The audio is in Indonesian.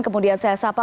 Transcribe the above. kemudian saya sapa